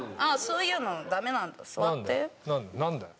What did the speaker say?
何だよ？